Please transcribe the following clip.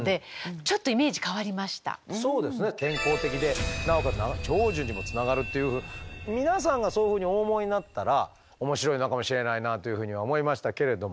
健康的でなおかつ長寿にもつながるっていう皆さんがそういうふうにお思いになったら面白いのかもしれないなというふうには思いましたけれども。